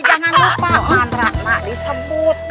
jangan lupa mantra mah disebut